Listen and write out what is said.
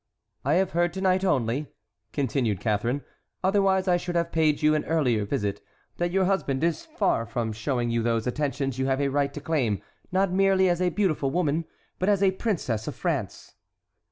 "I have heard to night only," continued Catharine, "otherwise I should have paid you an earlier visit, that your husband is far from showing you those attentions you have a right to claim, not merely as a beautiful woman, but as a princess of France."